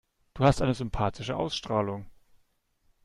Du hast eine sympathische Ausstrahlung.